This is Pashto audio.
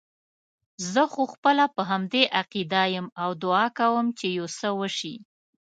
زه خو خپله په همدې عقیده یم او دعا کوم چې یو څه وشي.